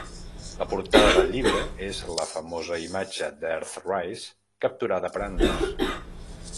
La portada del llibre és la famosa imatge d'"Earthrise" capturada per Anders.